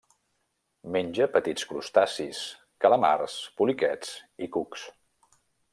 Menja petits crustacis, calamars, poliquets i cucs.